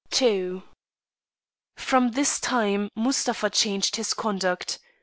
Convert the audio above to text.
II From this time Mustapha changed his conduct.